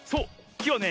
きはね